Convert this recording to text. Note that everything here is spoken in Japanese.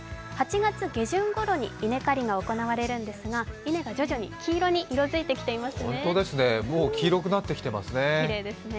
８月下旬ごろに稲刈りが行われるんですが、稲が徐々に黄色に色づいてきてますね。